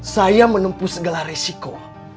saya menempuh segala resiko